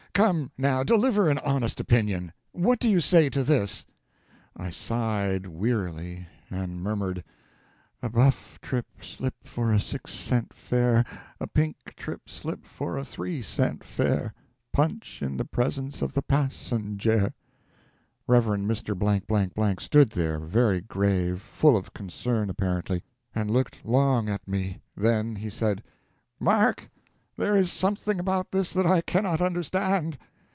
Come, now, deliver an honest opinion. What do you say to this?" I sighed wearily; and murmured: "A buff trip slip for a six cent fare, a pink trip slip for a three cent fare, punch in the presence of the passenjare." Rev. Mr. stood there, very grave, full of concern, apparently, and looked long at me; then he said: "Mark, there is something about this that I cannot understand.